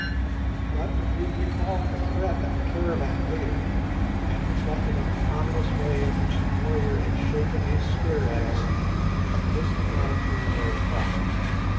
But when we recalled the threat of the caravan leader, and reflected on the ominous way in which the warrior had shaken his spear at us, this did not appear very probable.